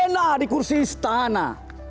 tidak ada yang bisa dikursi istana